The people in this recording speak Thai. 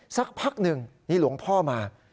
สักพักหนึ่งนี่หลวงพ่อมา